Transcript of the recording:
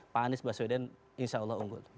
pak anies baswedan insya allah unggul